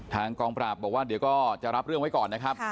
ทางกองปราบบอกว่าเดี๋ยวก็จะรับเรื่องไว้ก่อนนะครับ